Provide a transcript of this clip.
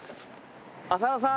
浅野さん！